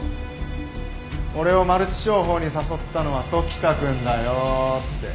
俺をマルチ商法に誘ったのは時田くんだよって。